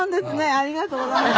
ありがとうございます。